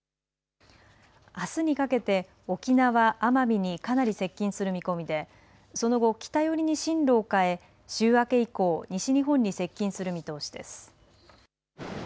あすにかけて沖縄・奄美にかなり接近する見込みでその後、北寄りに進路を変え週明け以降、西日本に接近する見通しです。